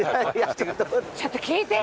ちょっと聞いて聞いて。